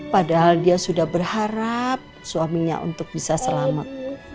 padahal dia sudah berharap suaminya untuk bisa selamat